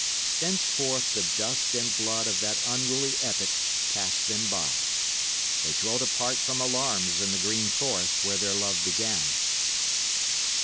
Thenceforth the dust and blood of that unruly epoch passed them by. They dwelt apart from alarms in the green forest where their love began.